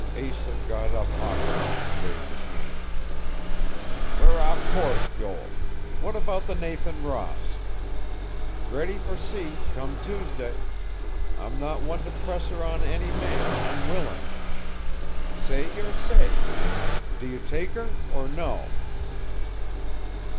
Asa got up awkwardly, waved his hand. "We're off the course, Joel. What about the Nathan Ross? Ready for sea, come Tuesday. I'm not one to press her on any man, unwilling. Say your say, man. Do you take her? Or no?"